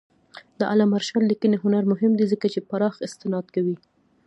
د علامه رشاد لیکنی هنر مهم دی ځکه چې پراخ استناد کوي.